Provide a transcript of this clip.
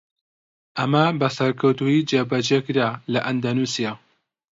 ئەمە بە سەرکەوتوویی جێبەجێکرا لە ئەندەنوسیا.